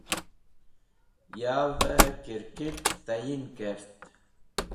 Yavey Kirkit Tayin Kert